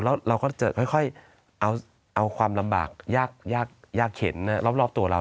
แล้วเราก็จะค่อยค่อยเอาเอาความลำบากยากยากยากเข็นรอบรอบตัวเรา